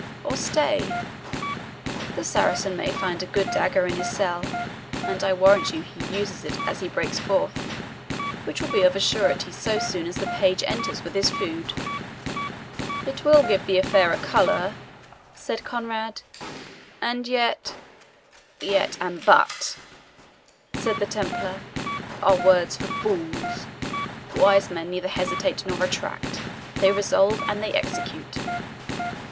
Or stay the Saracen may find a good dagger in his cell, and I warrant you he uses it as he breaks forth, which will be of a surety so soon as the page enters with his food." "It will give the affair a colour," said Conrade; "and yet " "YET and BUT," said the Templar, "are words for fools; wise men neither hesitate nor retract they resolve and they execute."